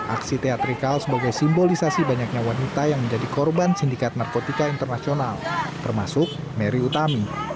aksi teatrikal sebagai simbolisasi banyaknya wanita yang menjadi korban sindikat narkotika internasional termasuk mary utami